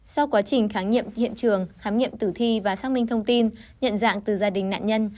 sau quá trình khám nghiệm hiện trường khám nghiệm tử thi và xác minh thông tin nhận dạng từ gia đình nạn nhân